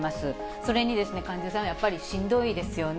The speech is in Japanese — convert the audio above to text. それに患者さんはやっぱりしんどいですよね。